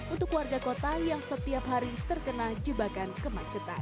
untuk warga kota yang setiap hari terkena jebakan kemacetan